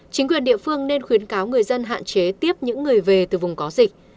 chính quyền địa phương nên khuyến cáo người dân hạn chế tiếp những người về từ vùng có dịch